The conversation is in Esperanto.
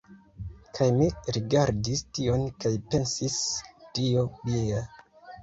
Kaj mi rigardis tion kaj pensis, "Dio mia!"